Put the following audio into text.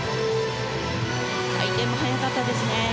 回転も速かったですね。